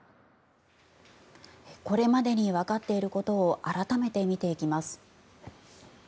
これまでにわかっていることを改めて見ていきます。